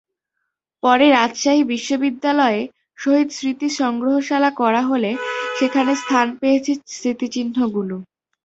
পরে রাজশাহী বিশ্ববিদ্যালয়ে শহীদ স্মৃতি সংগ্রহশালা করা হলে সেখানে স্থান পেয়েছে স্মৃতিচিহ্নগুলো।